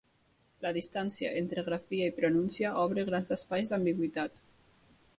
La distància entre grafia i pronúncia obre grans espais d'ambigüitat.